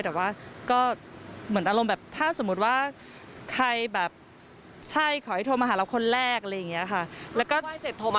แต่ว่าก็เหมือนอารมณ์แบบถ้าสมมุติว่าใครแบบใช่ขอให้โทรมาหาเราคนแรกอะไรอย่างนี้ค่ะ